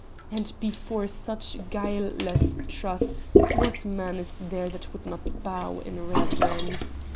"And before such guileless trust what man is there that would not bow in reverence!"